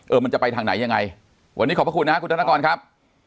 เออมันจะไปทางไหนยังไงวันนี้ขอบคุณนะครับคุณนักกรครับ